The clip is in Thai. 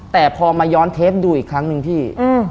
แต่พอมาย้อนเทปดูอีกครั้งหนึ่งพี่